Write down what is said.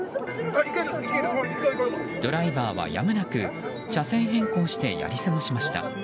ドライバーはやむなく車線変更してやり過ごしました。